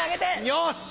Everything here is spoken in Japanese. よし！